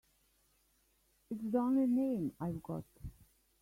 It's the only name I've got.